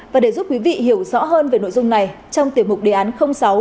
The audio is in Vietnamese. và để giúp quý vị hiểu rõ hơn về nội dung này trong tiềm mục đề án sáu